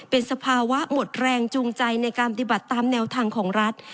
เป็นสภาวะหมดแรงจูงใจในการปฏิบัติตามแนวทางของรัฐ